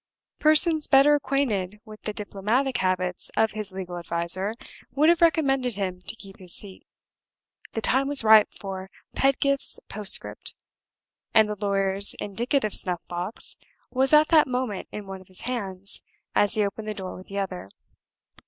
Persons better acquainted with the diplomatic habits of his legal adviser would have recommended him to keep his seat. The time was ripe for "Pedgift's postscript," and the lawyer's indicative snuff box was at that moment in one of his hands, as he opened the door with the other.